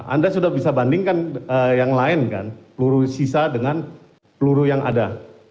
anda sudah bisa bandingkan yang lain kan peluru sisa dengan peluru yang ada